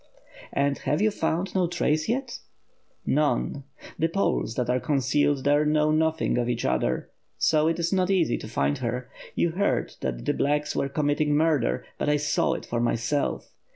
"And have you found no trace yet?" "None! the Poles that are concealed there know nothing of each other, so it is not easy to find her. You heard that the ^blacks' were committing murder, but I saw it for myself.